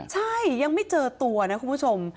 ใช่ยังไม่เจอตัวนะคุณผู้ชม